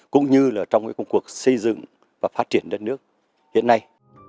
cũng như trong các cuộc xây dựng và phát triển đất nước hiện nay